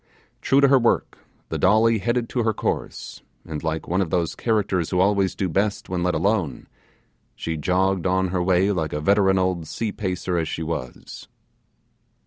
True to her work, the Dolly headed to her course, and like one of those characters who always do best when let alone, she jogged on her way like a veteran old sea pacer as she was.